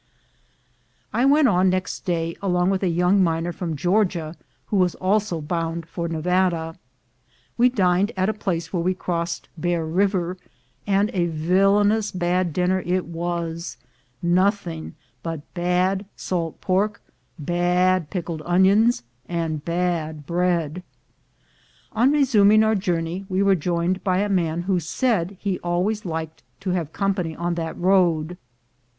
I went on next day along with a young miner from Georgia, who was also bound for Nevada. We dined at a place where we crossed Bear River; and a vil lainous bad dinner it was — nothing but bad salt pork, bad pickled onions, and bad bread. On resuming our journey, we were joined by a man who said he always liked to have company on that road.